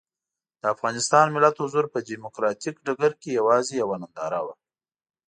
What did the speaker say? د افغانستان ملت حضور په ډیموکراتیک ډګر کې یوازې یوه ننداره وه.